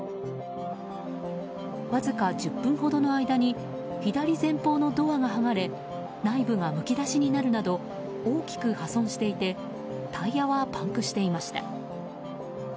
わずか１０分ほどの間に左前方のドアが剥がれ内部がむき出しになるなど大きく破損していてタイヤはパンクしていました。